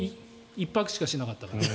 １泊しかしなかった。